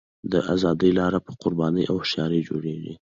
د ازادۍ لاره په قربانۍ او هوښیارۍ جوړېږي.